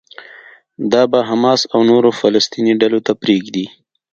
دا به حماس او نورو فلسطيني ډلو ته پرېږدي.